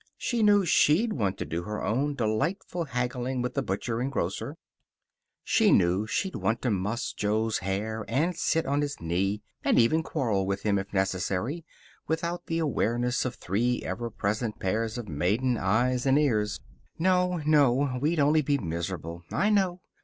She knew she'd want to do her own delightful haggling with butcher and grocer. She knew she'd want to muss Jo's hair, and sit on his knee, and even quarrel with him, if necessary, without the awareness of three ever present pairs of maiden eyes and ears. "No! No! We'd only be miserable. I know.